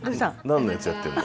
何のやつやってんの？